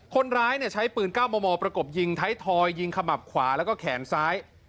คนร้ายเนี่ยใช้ปืนก้าวมอลมอลประกบยิงไทยทอยยิงขมับขวาแล้วก็แขนซ้าย